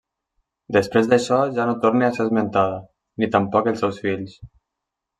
Després d'això ja no torna a ser esmentada ni tampoc els seus fills.